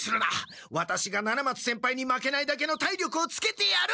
ワタシが七松先輩に負けないだけの体力をつけてやる！